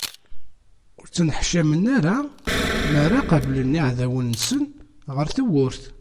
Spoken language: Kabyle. Ur ttneḥcamen ara mi ara qablen iɛdawen-nsen ɣer tewwurt.